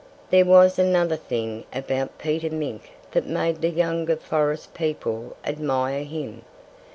There was another thing about Peter Mink that made the younger forest people admire him.